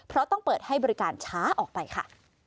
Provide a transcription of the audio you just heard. เพราะต้องเปิดให้บริการช้าออกไปค่ะ